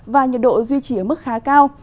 và nhiệt độ duy trì ở mức khá cao